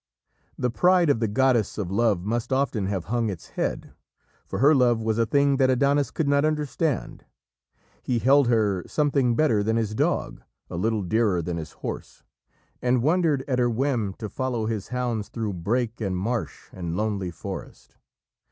The pride of the goddess of love must often have hung its head. For her love was a thing that Adonis could not understand. He held her "Something better than his dog, a little dearer than his horse," and wondered at her whim to follow his hounds through brake and marsh and lonely forest.